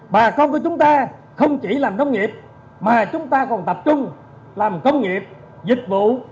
bà con của chúng ta không chỉ làm nông nghiệp mà chúng ta còn tập trung làm công nghiệp dịch vụ